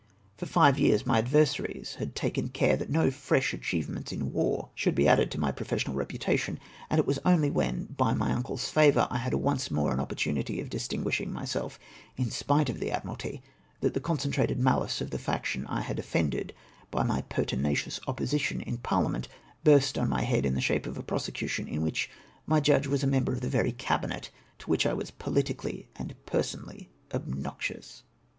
For five years my adversaries had taken care that no fresh achievements in war should be added to my professional reputation ; and it was only when, by my uncle's favour, I had once more an opportunity of dis tinguishing myself in spite of the Admiralty, that the concentrated mahce of the faction I had ofTended by my pertinacious opposition in parliament bm^st on my head in the shape of a prosecution, in wdiich my judge was a member of the very cabinet to which I was politically and personally obnoxious.